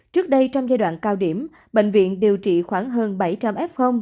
trước đây trong giai đoạn cao điểm bệnh viện điều trị khoảng hơn bảy trăm linh f